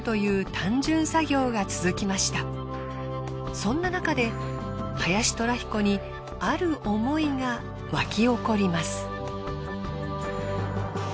そんななかで林虎彦にある思いが湧き起ります。